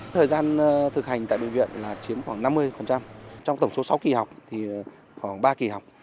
thời gian thực hành tại bệnh viện là chiếm khoảng năm mươi trong tổng số sáu kỳ học thì khoảng ba kỳ học